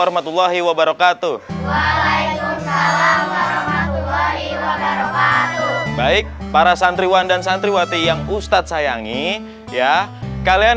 warahmatullahi wabarakatuh baik para santriwan dan santriwati yang ustadz sayangi ya kalian